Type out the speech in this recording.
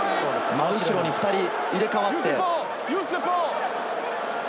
真後ろに２人入れ替わって。